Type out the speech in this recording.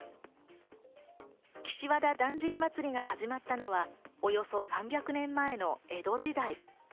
岸和田だんじり祭が始まったのは、およそ３００年前の江戸時代。